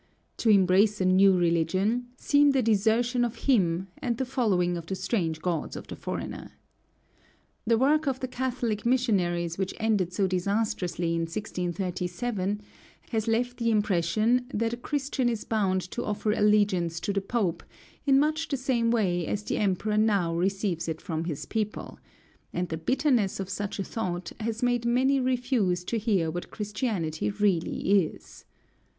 To embrace a new religion seemed a desertion of him, and the following of the strange gods of the foreigner. The work of the Catholic missionaries which ended so disastrously in 1637 has left the impression that a Christian is bound to offer allegiance to the Pope in much the same way as the Emperor now receives it from his people; and the bitterness of such a thought has made many refuse to hear what Christianity really is.